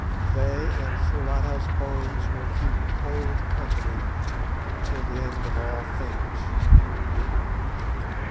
They and Foulata's bones will keep cold company till the end of all things.